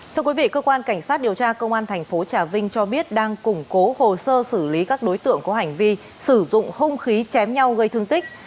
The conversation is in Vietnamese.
thưa quý vị cơ quan cảnh sát điều tra công an thành phố trà vinh cho biết đang củng cố hồ sơ xử lý các đối tượng có hành vi sử dụng hung khí chém nhau gây thương tích